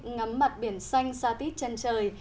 ngắm mặt biển xanh xa tít chân trời